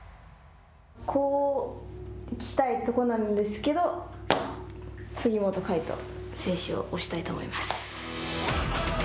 こう行きたいところなんですけれども、杉本海誉斗選手を推したいと思います。